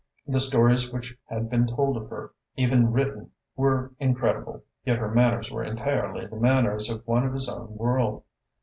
The stories which had been told of her, even written, were incredible, yet her manners were entirely the manners of one of his own world.